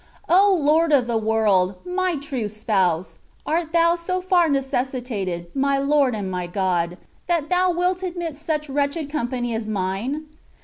O Lord of the world! my true Spouse! art Thou so far necessitated, my Lord and my God, that Thou wilt admit such wretched company as mine?